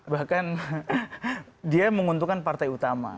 bahkan dia menguntungkan partai utama